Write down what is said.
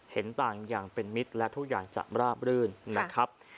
เห็นต่างอย่างเป็นมิตรและทุกอย่างจะราบรื่นนะครับ